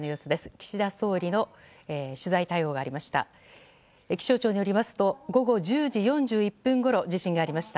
岸田総理の取材対応がありました。